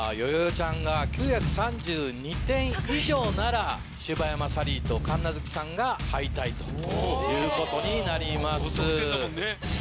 ちゃんが９３２点以上なら柴山サリーと神奈月さんが敗退ということになります。